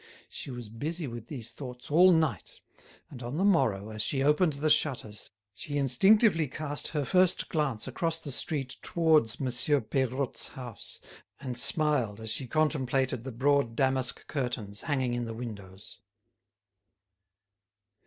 She was busy with these thoughts all night; and on the morrow, as she opened the shutters, she instinctively cast her first glance across the street towards Monsieur Peirotte's house, and smiled as she contemplated the broad damask curtains hanging in the windows.